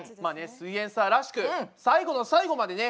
「すイエんサー」らしく最後の最後までね